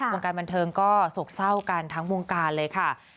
วงการบันเทิงก็โศกเศร้ากันทั้งวงการเลยค่ะ